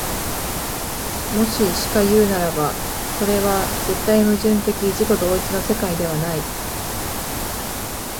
もししかいうならば、それは絶対矛盾的自己同一の世界ではない。